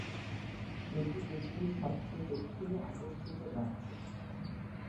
এটি দেশটির সবচেয়ে দক্ষিণে অবস্থিত রাজ্য।